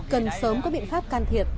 cần sớm có biện pháp can thiệp